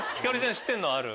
知ってるのある？